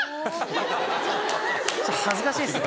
ちょっと恥ずかしいです。